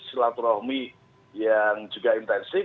silaturahmi yang juga intensif